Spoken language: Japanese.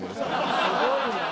すごいね。